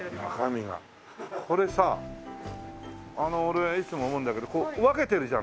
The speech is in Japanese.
これさ俺はいつも思うんだけどこう分けてるじゃない？